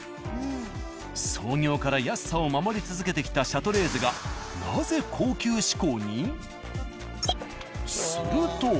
創業から安さを守り続けてきた「シャトレーゼ」がどうも。